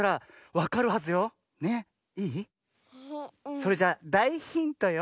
それじゃあだいヒントよ。